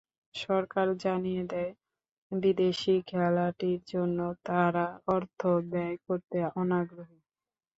সরকার জানিয়ে দেয়, বিদেশি খেলাটির জন্য তারা অর্থ ব্যয় করতে অনাগ্রহী।